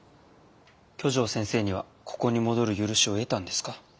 去定先生にはここに戻る許しを得たんですか？